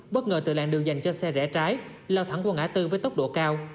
bất ngờ từ làng đường dành cho xe rẽ trái lao thẳng qua ngã tư với tốc độ cao